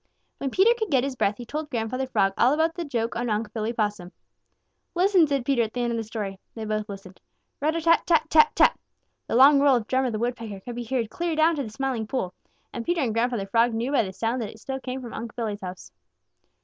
When Peter could get his breath, he told Grandfather Frog all about the joke on Unc' Billy Possum. "Listen!" said Peter at the end of the story. They both listened. Rat a tat tat tat tat! The long roll of Drummer the Woodpecker could be heard clear down to the Smiling Pool, and Peter and Grandfather Frog knew by the sound that it still came from Unc' Billy's house.